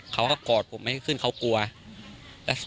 เขาก็กอดผมไม่ขึ้นเขากลัว